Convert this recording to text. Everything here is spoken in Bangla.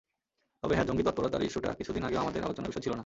তবে হ্যাঁ, জঙ্গি তৎপরতার ইস্যুটা কিছুদিন আগেও আমাদের আলোচনার বিষয় ছিল না।